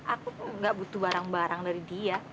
aku kok nggak butuh barang barang dari dia